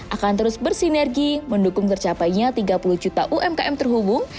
akan terus bersinergi mendukung tercapainya tiga puluh juta umkm terhubung